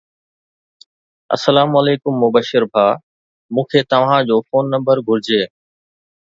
السلام عليڪم مبشر ڀاءُ مون کي توهان جو فون نمبر گهرجي